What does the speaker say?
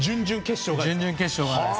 準々決勝が。